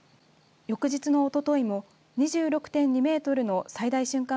翌日のおとといも２６．２メートルの最大瞬間